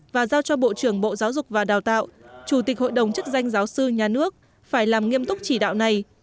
và đào tạo chủ tịch hội đồng chức danh giáo sư nhà nước phải làm nghiêm túc chỉ đạo này